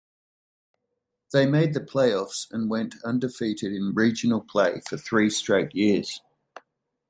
They made the playoffs and went undefeated in regional play for three straight years.